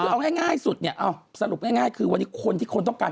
คือเอาง่ายสุดเนี่ยสรุปง่ายคือวันนี้คนที่คนต้องการ